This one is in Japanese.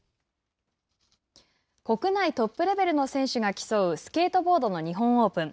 国内トップレベルの選手が競うスケートボードの日本オープン。